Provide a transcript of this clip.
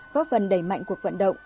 góp phần đẩy mạnh cuộc vận động